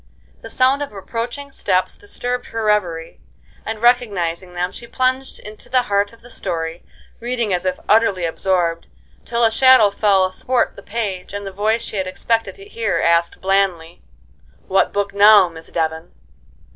The sound of approaching steps disturbed her reverie, and, recognizing them, she plunged into the heart of the story, reading as if utterly absorbed, till a shadow fell athwart the page, and the voice she had expected to hear asked blandly: "What book now, Miss Devon?"